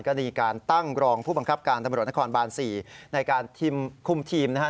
ก็มีการตั้งรองผู้บังคับการตำรวจนครบาน๔ในการคุมทีมนะฮะ